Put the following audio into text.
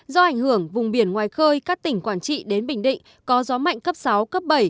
do ảnh hưởng vùng biển ngoài khơi các tỉnh quảng trị đến bình định có gió mạnh cấp sáu cấp bảy